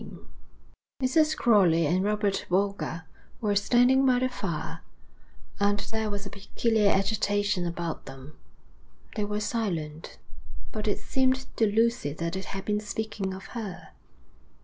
V Mrs. Crowley and Robert Boulger were standing by the fire, and there was a peculiar agitation about them. They were silent, but it seemed to Lucy that they had been speaking of her.